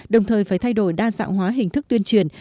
đồng thời phải thay đổi đa dạng hóa hình thức tuyên truyền